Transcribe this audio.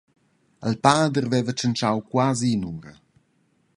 Il pader veva tschintschau quasi in’ura.